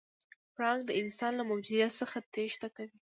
پړانګ د انسان له موجودیت څخه تېښته کوي.